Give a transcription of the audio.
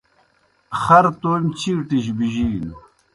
خر تومیْ چِیٹِجیْ بِجِینوْ